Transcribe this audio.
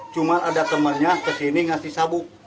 cuma ada temannya kesini ngasih sabuk